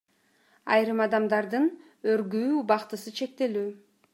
Айрым адамдардын өргүү убактысы чектелүү.